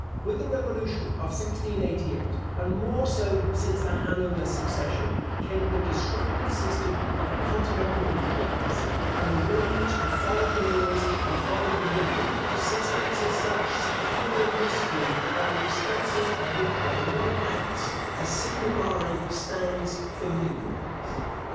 * With the Revolution of 1688, and more so since the Hanover succession, came the destructive system of continental intrigues, and the rage for foreign wars and foreign dominion; systems of such secure mystery that the expenses admit of no accounts; a single line stands for millions.